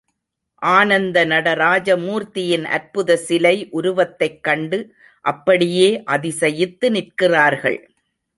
ஆனந்த நடராஜ மூர்த்தியின் அற்புத சிலை உருவத்தைக் கண்டு அப்படியே அதிசயித்து நிற்கிறார்கள்.